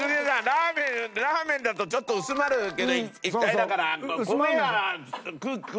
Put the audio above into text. ラーメンラーメンだとちょっと薄まるけど液体だから。